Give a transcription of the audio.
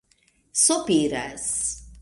sopiras